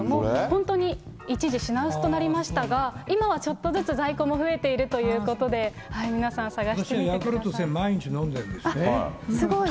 本当に一時品薄となりましたが、今はちょっとずつ在庫も増えているということで、ヤクルト１０００、すごい。